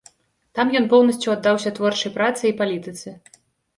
Там ён поўнасцю аддаўся творчай працы і палітыцы.